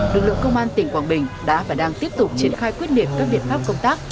lực lượng công an tỉnh quảng bình đã và đang tiếp tục triển khai quyết liệt các biện pháp công tác